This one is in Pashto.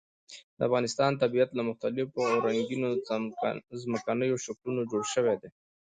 د افغانستان طبیعت له مختلفو او رنګینو ځمکنیو شکلونو جوړ شوی دی.